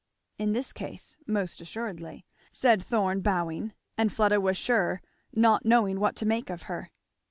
"In this case, most assuredly," said Thorn bowing, and Fleda was sure not knowing what to make of her.